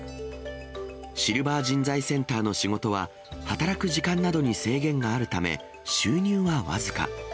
シルバー人材センターの仕事は、働く時間などに制限があるため、収入は僅か。